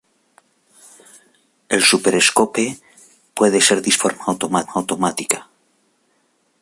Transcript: El super scope puede ser disparado de forma automática.